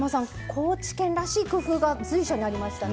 高知県らしい工夫が随所にありましたね。